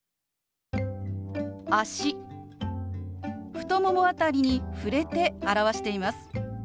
太もも辺りに触れて表しています。